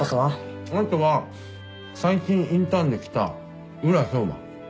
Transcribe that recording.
あとは最近インターンで来た宇良豹馬。